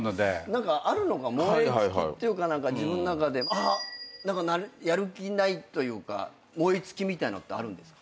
何かあるのが燃え尽きっていうか自分の中でやる気ないというか燃え尽きみたいのってあるんですか？